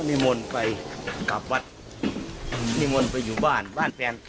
นี่มนต์ไปอยู่บ้านบ้านแฟนเกย์นะ